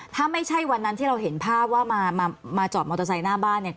ถ้าไม่ใช่วันนั้นที่เราเห็นภาพว่ามาจอดมอเตอร์ไซค์หน้าบ้านเนี่ย